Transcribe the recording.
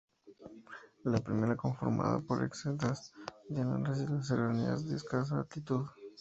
La primera conformada por extensas llanuras y serranías de escasa altitud.